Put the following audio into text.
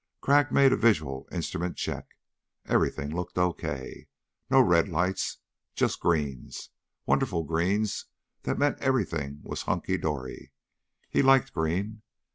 Crag made a visual instrument check. Everything looked okay. No red lights. Just greens. Wonderful greens that meant everything was hunky dory. He liked green.